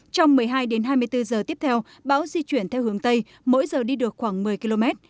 trong một mươi hai đến hai mươi bốn giờ tiếp theo bão di chuyển theo hướng tây mỗi giờ đi được khoảng một mươi km